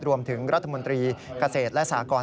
รวมถึงรัฐมนตรีเกษตรและสากร